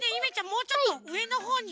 もうちょっとうえのほうに。